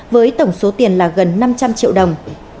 với tổng số tiền là gần năm trăm linh triệu đồng